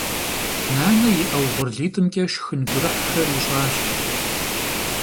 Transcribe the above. Нанэ и Ӏэ угъурлитӀымкӀэ шхын гурыхьхэр ищӀащ.